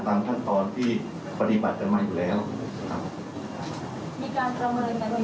ตามท่านตอนที่ปฏิบัติจะมาอยู่แล้วครับ